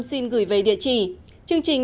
xin gửi về địa chỉ chương trình